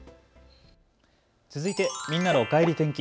続いてみんなのおかえり天気。